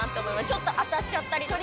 ちょっと当たっちゃったりとかして。